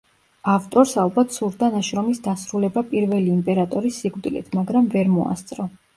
ავტორს ალბათ სურდა ნაშრომის დასრულება პირველი იმპერატორის სიკვდილით, მაგრამ ვერ მოასწრო.